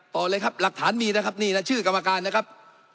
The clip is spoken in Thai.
ต่อเลยครับหลักฐานมีนะครับนี่นะชื่อกรรมการนะครับ